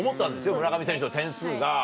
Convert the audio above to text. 村上選手の点数が。